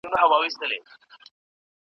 د نکاح د ختميدو اساسي سبب څه دی؟